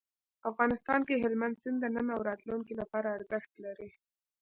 افغانستان کې هلمند سیند د نن او راتلونکي لپاره ارزښت لري.